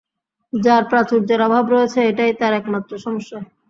যার প্রাচুর্যের অভাব রয়েছে, এটাই তার একমাত্র সমস্যা।